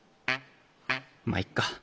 まっいっか。